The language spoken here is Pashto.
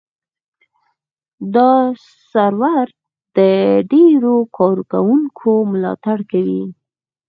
دا سرور د ډېرو کاروونکو ملاتړ کوي.